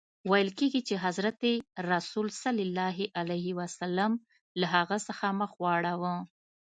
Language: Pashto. ویل کیږي چي حضرت رسول ص له هغه څخه مخ واړاوه.